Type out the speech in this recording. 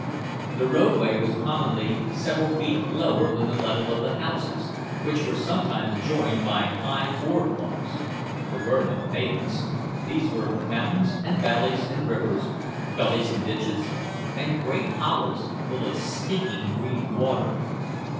The roadway was commonly several feet lower than the level of the houses, which were sometimes joined by high board walks; there were no pavements—there were mountains and valleys and rivers, gullies and ditches, and great hollows full of stinking green water.